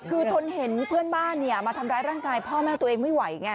คือทนเห็นเพื่อนบ้านมาทำร้ายร่างกายพ่อแม่ตัวเองไม่ไหวไง